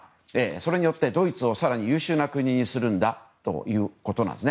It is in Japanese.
それによってドイツを更に優秀な国にするということなんです。